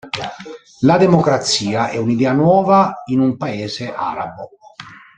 La democrazia è un'idea nuova in un paese arabo.